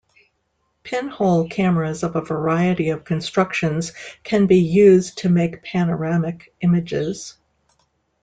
Pinhole cameras of a variety of constructions can be used to make panoramic images.